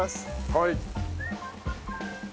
はい。